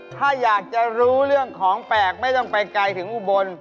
ถ้าอยากจะรู้เรื่องของแปลกไม่ต้องไปไกลถึงอุบล